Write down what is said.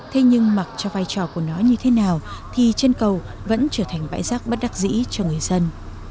thế nhưng mặc cho vai trò của nó như thế nào thì chân cầu vẫn trở thành bãi rác bất đắc dĩ cho người dân